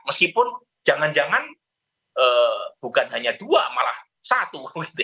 meskipun jangan jangan bukan hanya dua malah satu